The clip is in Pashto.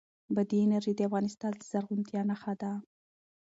بادي انرژي د افغانستان د زرغونتیا نښه ده.